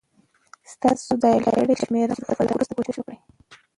ستاسو ډائل کړې شمېره مصروفه ده، لږ وروسته کوشش وکړئ